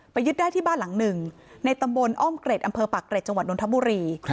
ไปยึดได้ที่บ้านหลัง๑ในตำบลอ้อมเกร็ดอำเภอกายปรักเกรตจังหวัดนวันชมวรี